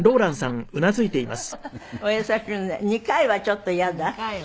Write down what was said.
２回はちょっとやだ？